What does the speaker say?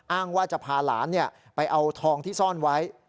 อ้างว่าจะพาหลานไปเอาทองที่ซ่อนไว้